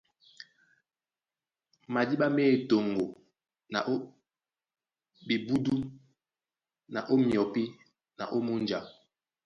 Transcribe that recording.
Madíɓá má e ó toŋgo na ó ɓeúdu na ó myɔpí na ó múnja.